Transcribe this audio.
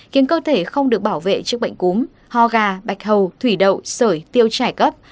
khiến cơ thể không được bảo vệ trước bệnh cúm ho gà bạch hầu thủy đậu sởi tiêu chảy cấp